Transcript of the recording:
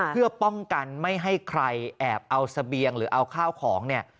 เพื่อป้องกันไม่ให้ใครแอบเอาเสบียงหรือเอาข้าวของเนี่ย